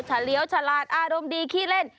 เลี้ยวฉลาดอารมณ์ดีขี้เล่น